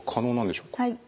はい。